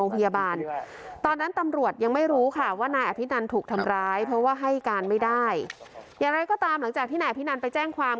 เพราะว่าให้การไม่ได้อย่างไรก็ตามหลังจากที่นายพินันไปแจ้งความ